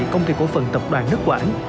công ty cổ phần tập đoàn nước quản